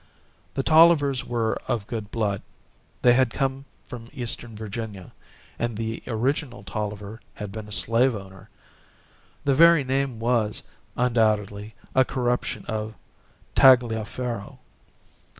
The Tollivers were of good blood; they had come from Eastern Virginia, and the original Tolliver had been a slave owner. The very name was, undoubtedly, a corruption of Tagliaferro.